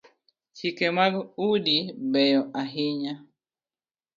Chike mag udi beyo ahinya